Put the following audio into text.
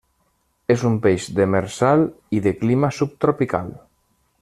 És un peix demersal i de clima subtropical.